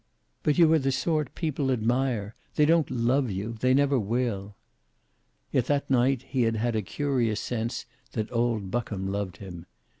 But you are the sort people admire. They don't love you. They never will." Yet that night he had had a curious sense that old Buckham loved him.